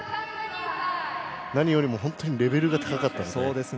何よりも本当にレベルが高かった。